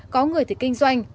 có người thì kinh doanh